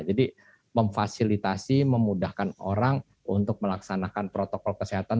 memfasilitasi memudahkan orang untuk melaksanakan protokol kesehatan